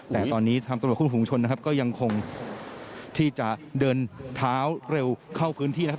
แต่ตอนนี้ตรวจคุมฝุมชนก็ยังคงที่จะเดินเท้าเร็วเข้าพื้นที่นะครับ